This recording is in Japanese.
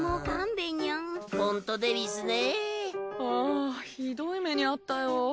ハアひどい目にあったよ